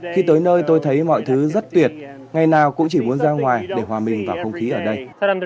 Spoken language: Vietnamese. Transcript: khi tới nơi tôi thấy mọi thứ rất tuyệt ngày nào cũng chỉ muốn ra ngoài để hòa mình vào không khí ở đây